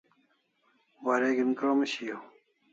Wareg'in krom shiau